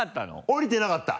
おりてなかった。